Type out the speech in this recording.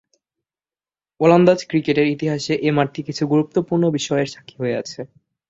ওলন্দাজ ক্রিকেটের ইতিহাসে এ মাঠটি কিছু গুরুত্বপূর্ণ বিষয়ের স্বাক্ষী হয়ে আছে।